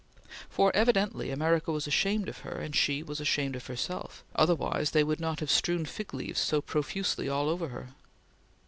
For evidently America was ashamed of her, and she was ashamed of herself, otherwise they would not have strewn fig leaves so profusely all over her.